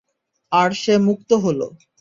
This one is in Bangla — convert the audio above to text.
আর সে মুক্ত হল।